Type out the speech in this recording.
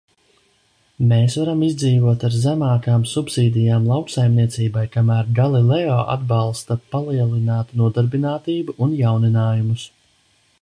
Mēs varam izdzīvot ar zemākām subsīdijām lauksaimniecībai, kamēr Galileo atbalsta palielinātu nodarbinātību un jauninājumus.